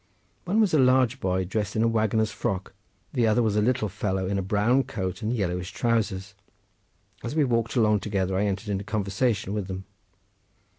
One was a large boy, dressed in a waggoner's frock, the other was a little fellow, in a brown coat and yellowish trowsers. As we walked along together, I entered into conversation with them.